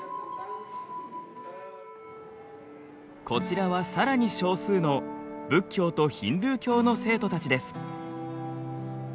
こちらはさらに少数の仏教とヒンドゥー教の生徒たちです。